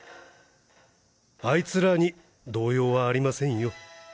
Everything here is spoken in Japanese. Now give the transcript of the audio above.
あいつらに動揺はありませんよ。